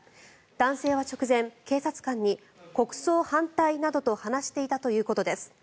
男性は直前、警察官に国葬反対などと話していたということです。